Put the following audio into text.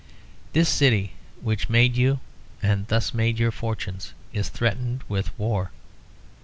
This city which made you, and thus made your fortunes, is threatened with war.